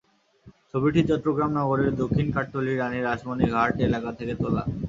ছবিটি চট্টগ্রাম নগরের দক্ষিণ কাট্টলী রানী রাসমনি ঘাট এলাকা থেকে তোলা।